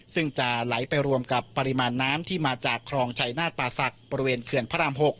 ซึ่งจะไหลไปรวมกับปริมาณน้ำที่มาจากครองชัยนาฏป่าศักดิ์บริเวณเขื่อนพระราม๖